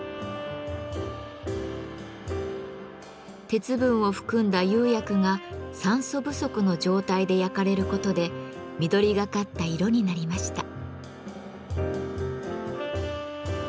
鉄分を含んだ釉薬が酸素不足の状態で焼かれることで緑がかった色になりました。